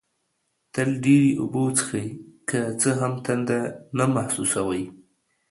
تل ډېري اوبه وڅېښئ، که څه هم تنده نه محسوسوئ